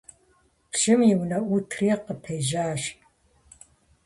Пщым и унэӀутри къыпежьащ.